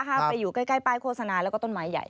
ไปอยู่ใกล้ป้ายโฆษณาแล้วก็ต้นไม้ใหญ่